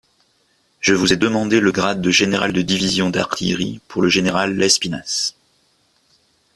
Je vous ai demandé le grade de général de division d'artillerie pour le général Lespinasse.